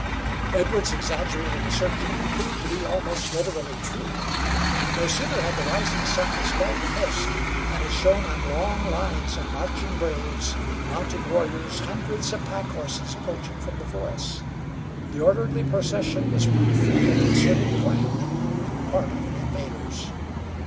Edwards' exaggerated assertion proved to be almost literally true. No sooner had the rising sun dispelled the mist, than it shone on long lines of marching braves, mounted warriors, hundreds of packhorses approaching from the forests. The orderly procession was proof of a concerted plan on the part of the invaders.